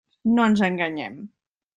No ens enganyem.